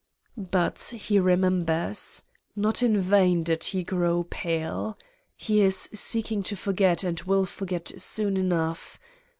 But he remembers. Not in vain did he grow pale. He is seeking to forget and will forget soon enough